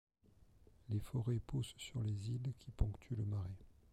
Les forêts poussent sur les îles qui ponctuent le marais.